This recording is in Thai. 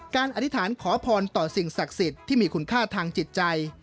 อธิษฐานขอพรต่อสิ่งศักดิ์สิทธิ์ที่มีคุณค่าทางจิตใจ